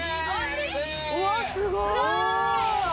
うわすごい。